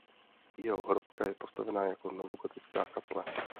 Jeho hrobka je postavena jako novogotická kaple.